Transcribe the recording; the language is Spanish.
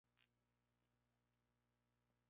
Sin embargo, no se realizaron despegues verticales.